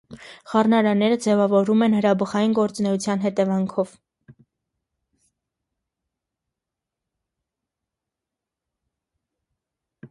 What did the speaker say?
Խառնարանները ձևավորվում են հրաբխային գործունեության հետևանքով։